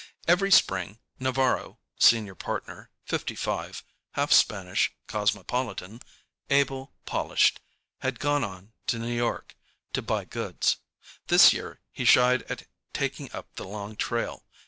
Every Spring, Navarro, senior partner, fifty five, half Spanish, cosmopolitan, able, polished, had "gone on" to New York to buy goods. This year he shied at taking up the long trail.